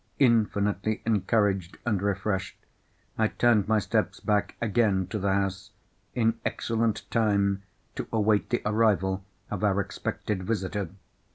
Infinitely encouraged and refreshed, I turned my steps back again to the house, in excellent time to await the arrival of our expected visitor.